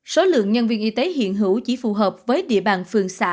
số lượng nhân viên y tế hiện hữu chỉ phù hợp với địa bàn phường xã